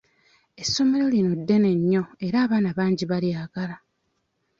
Essomero lino ddene nnyo era abaana bangi balyagala.